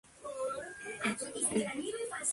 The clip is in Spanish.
Lo baña el brazo el brazo de Mompós del río Magdalena.